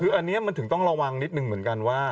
คืออันนี้มันถึงต้องระวังนิดนึงเหมือนกันว่า